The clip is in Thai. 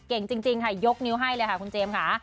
เก่งจริงค่ะยกนิ้วให้เลยค่ะคุณเจมส์ค่ะ